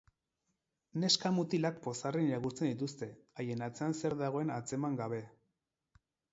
Neska-mutilak pozarren irakurtzen dituzte, haien atzean zer dagoen antzeman gabe.